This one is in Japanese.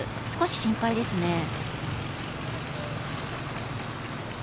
少し心配ですね。